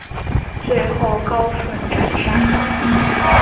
最后高顺斩杀郝萌。